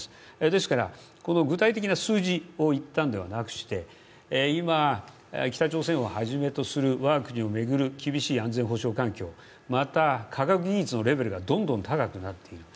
ですからこの具体的な数字を言ったのではなくして、今、北朝鮮をはじめとする我が国を巡る厳しい安全保障環境、また科学技術のレベルがどんどん高くなっている。